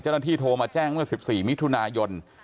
เจ้าหน้าที่โทรมาแจ้งเมื่อ๑๔มิย